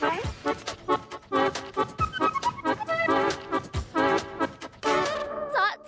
แม่ออก